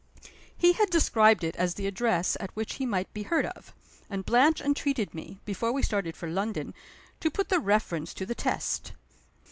He had described it as the address at which he might be heard of and Blanche entreated me, before we started for London, to put the reference to the test.